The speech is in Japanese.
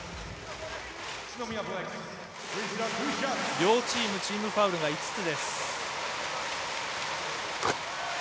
両チーム、チームファウルが５つ。